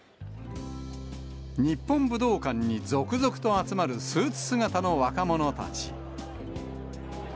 日本武道館に続々と集まるスーツ姿の若者たち。